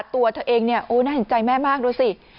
ตัวเธอเองน่าสนใจแม่มากดูสิ